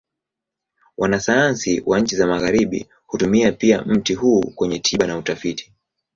Wanasayansi wa nchi za Magharibi hutumia pia mti huu kwenye tiba na utafiti.